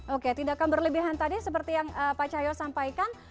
oke tindakan berlebihan tadi seperti yang pak cahyo sampaikan